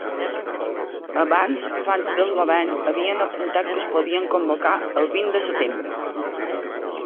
Abans, fonts del govern havien apuntat que es podien convocar el vint de setembre.